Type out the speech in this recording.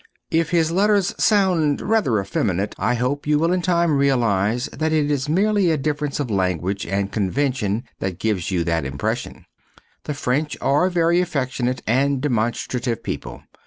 If his letters sound rather effeminate I hope you will in time realize that it is merely a difference of language and convention that gives you that impression. The French are a very affectionate and demonstrative people.